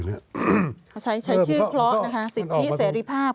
เขาใช้ชื่อเคราะห์นะคะสิทธิเสรีภาพ